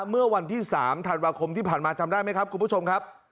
เมื่อวันที่๓ธันวาคมที่ผ่านมาจำได้ไหมครับคุณผู้ชมครับ